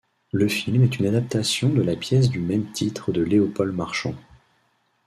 Le film est une adaptation de la pièce du même titre de Léopold Marchand.